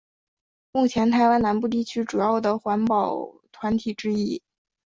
目前是台湾南部地区主要的环保团体之一。